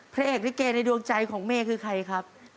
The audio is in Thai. พระเอกลิเกในดวงใจของเมย์คือใครครับ